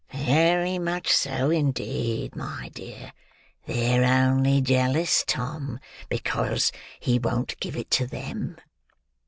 "Very much so, indeed, my dear. They're only jealous, Tom, because he won't give it to them."